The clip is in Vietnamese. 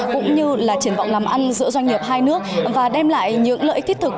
cũng như là triển vọng làm ăn giữa doanh nghiệp hai nước và đem lại những lợi ích thiết thực